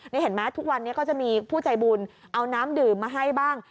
นี่เห็นไหมทุกวันนี้ก็จะมีผู้ใจบุญเอาน้ำดื่มมาให้บ้าง